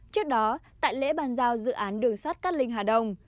trước đó tại lễ bàn giao dự án đường sắt cắt linh hà đông